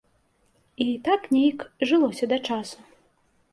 І так нейк жылося да часу.